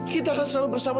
kita akan selalu bersama